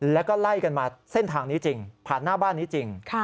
แล้วก็ไล่กันมาเส้นทางนี้จริงผ่านหน้าบ้านนี้จริง